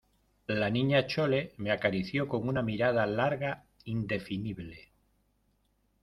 la Niña Chole me acarició con una mirada larga, indefinible.